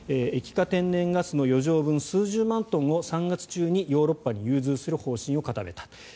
液化天然ガスの余剰分の数十万トンを３月中にヨーロッパに融通する方針を固めた。